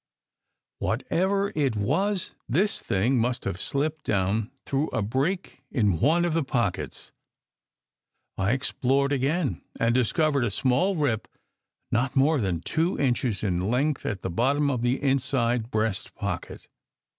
Whatever it was, this thing must have slipped down through a break in one of the pockets. I explored again, and discovered a small rip not more than two inches in length at the bottom of the inside breast pocket.